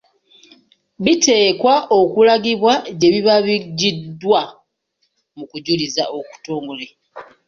Biteekwa okulagibwa gye biba biggiddwa mu kujuliza okutongole.